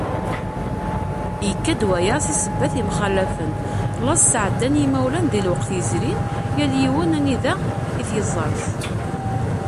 Yekka-d waya si sebbat imxalafen, llaẓ sεeddan yimawlan di lewqat yezrin yal yiwen anida i t-iẓrez.